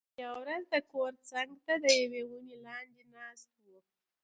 یوه ورځ د کور څنګ ته د یوې ونې لاندې ناست و،